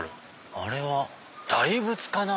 あれは大仏かな？